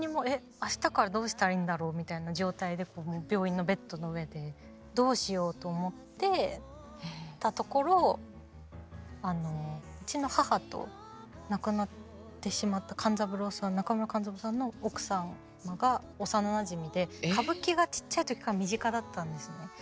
明日からどうしたらいいんだろうみたいな状態で病院のベッドの上でどうしようと思っていたところうちの母と亡くなってしまった勘三郎さん中村勘三郎さんの奥様が幼なじみで歌舞伎がちっちゃい時から身近だったんですよ。